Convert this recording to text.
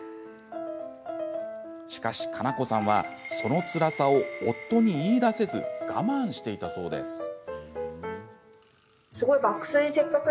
しかし、カナコさんはそのつらさを夫に言いだせず我慢していたそうです。